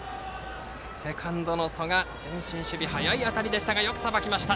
セカンドの曽我、前進守備速い当たりでしたがよくさばきました。